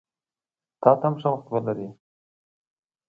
تاته هم ښه وخت ولرې!